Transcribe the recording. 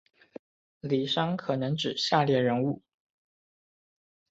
李珊可能指下列人物